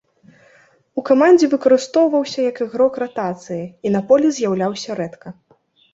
У камандзе выкарыстоўваўся як ігрок ратацыі і на полі з'яўляўся рэдка.